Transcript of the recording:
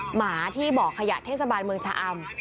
หมาที่บ่อขยะเทศบาลเมืองชะอำ